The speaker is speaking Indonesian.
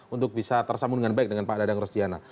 untuk bisa tersambung dengan baik dengan pak dadang rosdiana